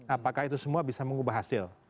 apakah itu semua bisa mengubah hasil